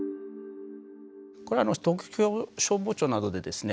これは東京消防庁などでですね